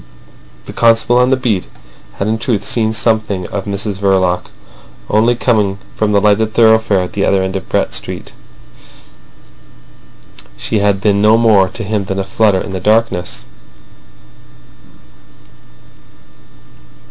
The constable on the beat had in truth seen something of Mrs Verloc; only coming from the lighted thoroughfare at the other end of Brett Street, she had been no more to him than a flutter in the darkness.